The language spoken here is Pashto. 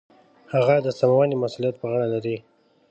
هغه د سمونې مسوولیت په غاړه لري.